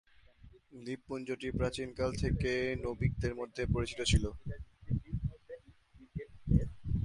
দ্বীপপুঞ্জটি প্রাচীন কাল থেকে নাবিকদের মধ্যে পরিচিত ছিল।